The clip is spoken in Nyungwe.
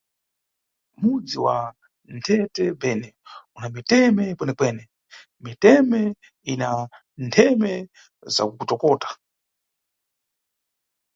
Mudzi wa Nthete Beni una miteme kwenekwene, miteme ina ntheme zakutokota.